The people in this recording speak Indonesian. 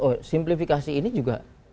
oh simplifikasi ini juga